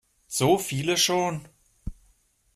So viele schon?